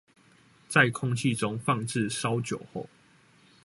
在空氣中放置稍久後